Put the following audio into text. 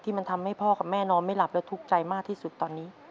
มันทำให้พ่อกับแม่นอนไม่หลับแล้วทุกข์ใจมากที่สุดตอนนี้